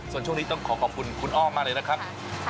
ส่วนช่วงนี้ต้องขอขอบคุณคุณอ้อมมากเลยนะครับ